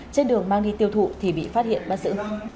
trên đường mang đi tiêu thụ thì bị phát hiện bắt giữ